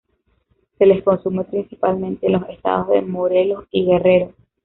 Se les consume principalmente en los estados de Morelos y Guerrero.